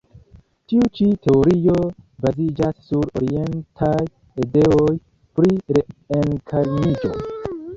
Tiu ĉi teorio baziĝas sur orientaj ideoj pri reenkarniĝo.